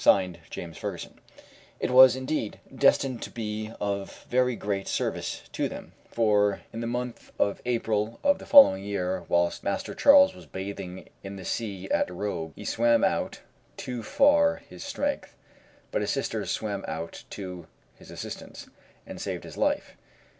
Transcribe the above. (Signed) JAMES FERGUSSON," It was, indeed, destined to be of very great service to them; for in the month of April of the following year, whist Master Charles was bathing in the sea at Robe, he swam out too far for his strength: but his sisters swam out to his assistance, and saved his life.